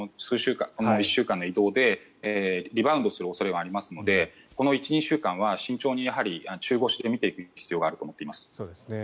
この１週間の移動でリバウンドする恐れがありますのでこの１２週間は慎重に中腰で見ていく必要があると思っています。